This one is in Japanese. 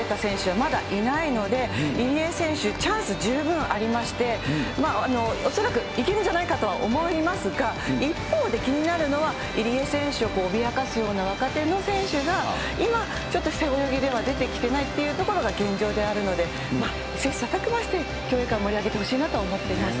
まだいないので、入江選手、チャンス十分ありまして、恐らくいけるんじゃないかとは思いますが、一方で気になるのは、入江選手を脅かすような若手の選手が、今、ちょっと背泳ぎでは出てきていないっていうところが現状であるので、切さたく磨して、競泳界を盛り上げてほしいなと思ってます。